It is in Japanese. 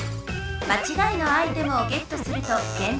まちがいのアイテムをゲットするとげんてんです。